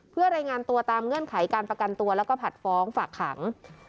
เพื่อรายงานตัวตามเงื่อนไขการประกันตัวแล้วก็ผัดฟ้องฝากขัง